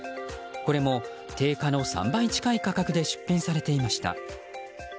これも定価の３倍近い価格で出品されていました。